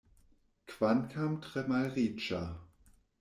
Kvankam tre malriĉa.